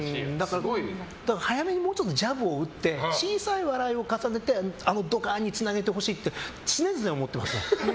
だから、早めにもうちょっとジャブを打って小さい笑いを重ねてドカンにつなげてほしいって常々思ってますね。